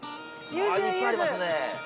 いっぱいありますね。